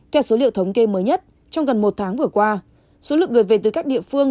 theo số liệu thống kê mới nhất trong gần một tháng vừa qua số lượng người về từ các địa phương